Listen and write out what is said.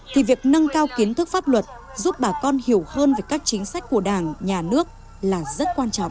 thì việc nâng cao kiến thức pháp luật giúp bà con hiểu hơn về các chính sách của đảng nhà nước là rất quan trọng